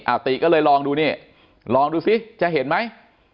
อ่าติก็เลยลองดูนี่ลองดูสิจะเห็นมั้ย